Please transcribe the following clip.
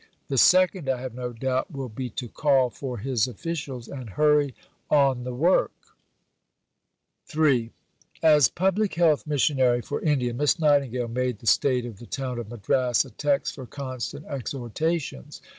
The second, I have no doubt, will be to call for his officials and hurry on the work." Letter to Madame Mohl, Oct. 31, 1868. III As Public Health Missionary for India, Miss Nightingale made the state of the town of Madras a text for constant exhortations.